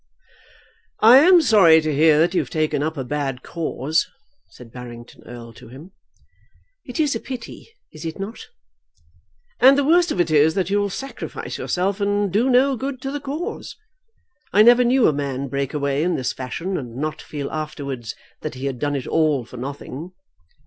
"I am sorry to hear that you have taken up a bad cause," said Barrington Erle to him. "It is a pity; is it not?" "And the worst of it is that you'll sacrifice yourself and do no good to the cause. I never knew a man break away in this fashion, and not feel afterwards that he had done it all for nothing."